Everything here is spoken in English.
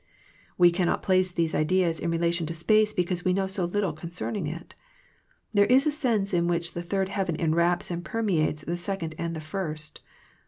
We cannot place these ideas in relation to space because we know so little concerning it. There is a sense in which the third heaven enwraps and permeates the sec ond and the first.